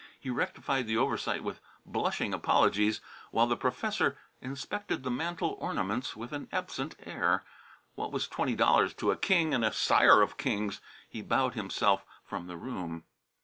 He rectified the oversight with blushing apologies, while the professor inspected the mantel ornaments with an absent air. What was twenty dollars to a king and a sire of kings? He bowed himself from the room.